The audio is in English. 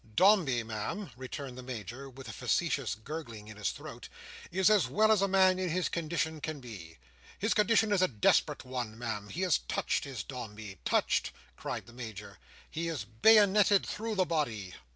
"Dombey, Ma'am," returned the Major, with a facetious gurgling in his throat, "is as well as a man in his condition can be. His condition is a desperate one, Ma'am. He is touched, is Dombey! Touched!" cried the Major. "He is bayonetted through the body."